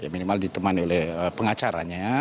minimal ditemani oleh pengacaranya